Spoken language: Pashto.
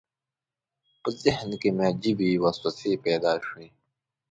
په ذهن کې مې عجیبې وسوسې پیدا شوې.